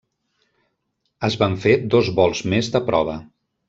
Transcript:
Es van fer dos vols més de prova.